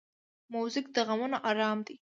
موزیک د غمونو آرام دی.